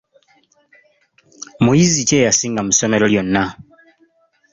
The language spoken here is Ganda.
Muyizi ki eyasinga mu ssomero lyonna?